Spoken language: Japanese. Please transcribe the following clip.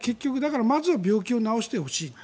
まずは病気を治してほしい。